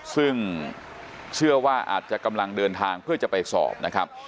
ซึ่งเชื่อว่าอาจจะกำลังเดินทางเพื่อจะไปสอบนะครับ